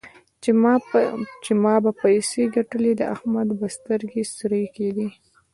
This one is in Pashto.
چې ما به پيسې ګټلې؛ د احمد به سترګې سرې کېدې.